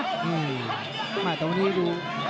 อืมมาตรงนี้ดู